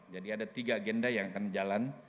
jadi ada tiga agenda yang akan jalan